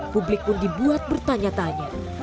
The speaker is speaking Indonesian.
publik pun dibuat bertanya tanya